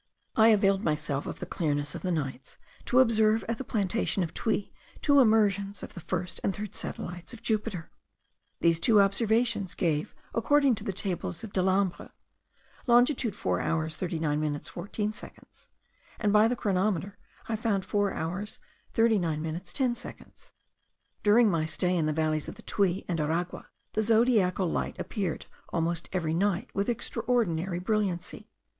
I availed myself of the clearness of the nights, to observe at the plantation of Tuy two emersions of the first and third satellites of Jupiter. These two observations gave, according to the tables of Delambre, longitude 4 hours 39 minutes 14 seconds; and by the chronometer I found 4 hours 39 minutes 10 seconds. During my stay in the valleys of the Tuy and Aragua the zodiacal light appeared almost every night with extraordinary brilliancy.